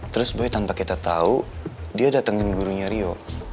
terus boy tanpa kita tahu dia datengin gurunya rio